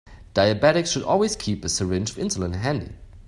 Diabetics should always keep a syringe of insulin handy.